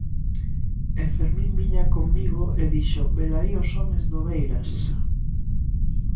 O Fermín viña comigo e dixo "Velaí os homes do Beiras".